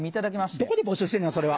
どこで募集してんねんそれは。